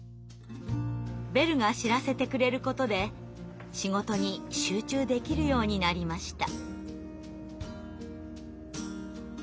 ベルが知らせてくれることで仕事に集中できるようになりました。